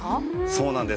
そうなんです。